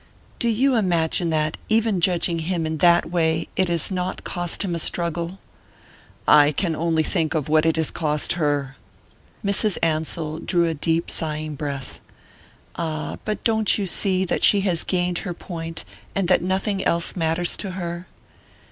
"Do you imagine that even judging him in that way it has not cost him a struggle?" "I can only think of what it has cost her!" Mrs. Ansell drew a deep sighing breath. "Ah but don't you see that she has gained her point, and that nothing else matters to her?"